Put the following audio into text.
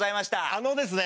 あのですね